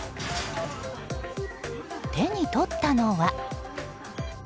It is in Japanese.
手に取ったのは。